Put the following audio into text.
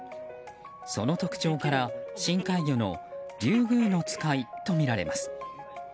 その特徴から深海魚のリュウグウノツカイとみられます。